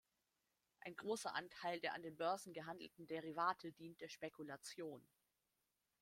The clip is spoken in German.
Ein großer Anteil der an den Börsen gehandelten Derivate dient der Spekulation.